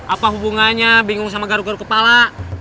apa hubungannya bingung sama garu garu kepala